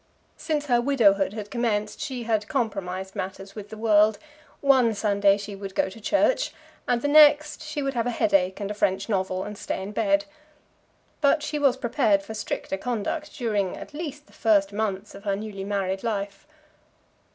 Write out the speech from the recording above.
Since her widowhood had commenced, she had compromised matters with the world. One Sunday she would go to church, and the next she would have a headache and a French novel and stay in bed. But she was prepared for stricter conduct during at least the first months of her newly married life.